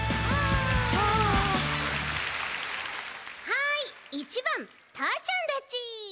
はい１ばんたーちゃんだち。